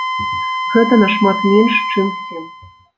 Гэта нашмат менш, чым сем.